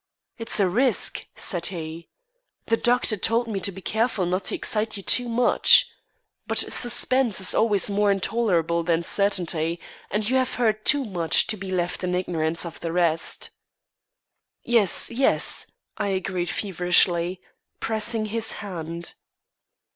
"It's a risk," said he. "The doctor told me to be careful not to excite you too much. But suspense is always more intolerable than certainty, and you have heard too much to be left in ignorance of the rest." "Yes, yes," I agreed feverishly, pressing his hand.